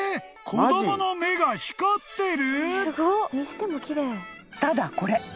子供の目が光ってる！？］